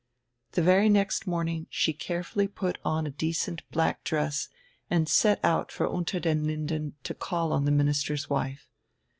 The very next morning she carefully put on a decent black dress and set out for Unter den Linden to call on the minister's wife.